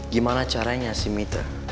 gimana caranya si mitra